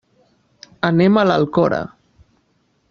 Anem a l'Alcora.